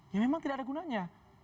ya memang tidak ada gunanya